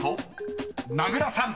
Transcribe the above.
［名倉さん］